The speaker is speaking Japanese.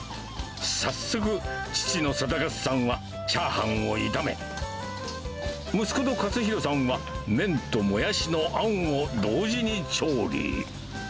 早速、父の定勝さんがチャーハンを炒め、息子の勝弘さんは、麺ともやしのあんを同時に調理。